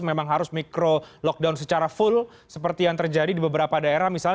memang harus mikro lockdown secara full seperti yang terjadi di beberapa daerah misalnya